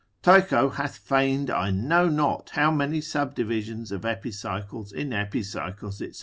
Tycho hath feigned I know not how many subdivisions of epicycles in epicycles, &c.